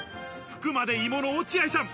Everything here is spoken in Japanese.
服まで芋の落合さん。